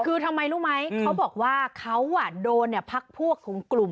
คือทำไมรู้ไหมเขาบอกว่าเขาโดนพักพวกของกลุ่ม